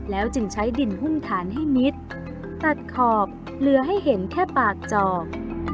แล้วจึงใช้ดินหุ้นฐานให้มิดตัดขอบเหลือให้เห็นแค่ปากจอก